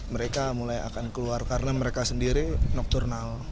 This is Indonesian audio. mereka mulai akan keluar karena mereka sendiri nokturnal